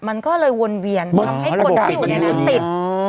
มันก็เลยวนเวียนทำให้คนที่อยู่ในนั้นติด